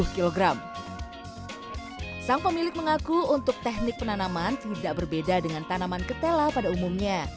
dua puluh kg sang pemilik mengaku untuk teknik penanaman tidak berbeda dengan tanaman ketela pada umumnya